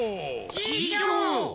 ししょう！